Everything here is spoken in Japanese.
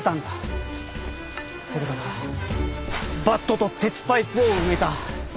それからバットと鉄パイプを埋めた。